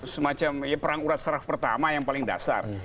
semacam perang urat seraf pertama yang paling dasar